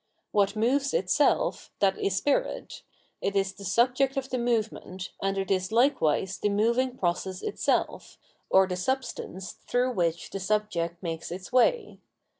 What moves itself, that is Spirit; it is the subject of the movement, and it is likewise the moving process itself, or the substance through which the subject makes its way.